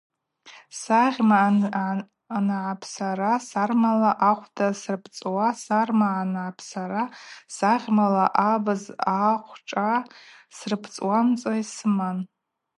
Сагъьма ангӏапсара сармала ахъвда сырпӏцӏуа, сарма ангӏапсара сагъьмала абыз ахъвшӏа сырпӏцӏуамца йсыман.